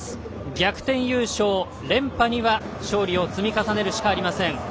逆転優勝連覇には勝利を積み重ねるしかありません。